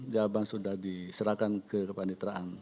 jawaban sudah diserahkan ke kepanitraan